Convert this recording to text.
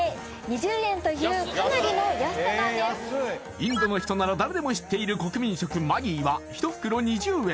インドの人なら誰でも知っている国民食マギーは１袋２０円